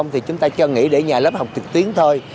thì chúng ta cho nghỉ để nhà lớp học trực tuyến thôi